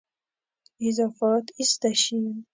اضافات ایسته شي.